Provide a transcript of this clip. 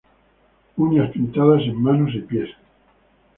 Uñas pintadas en manos y pies.